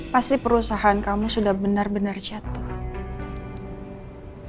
pasti perusahaan kamu sudah benar benar jatuh